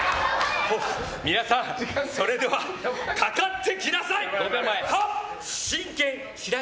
皆さん、それではかかってきなさい！